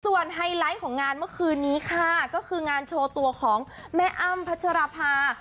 ส่วนไฮไลท์ของงานเมื่อคืนนี้ค่ะก็คืองานโชว์ตัวของแม่อ้ำพัชรภา